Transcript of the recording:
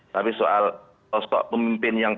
tapi soal sosok pemimpin yang